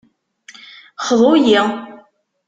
Xḍu-yi!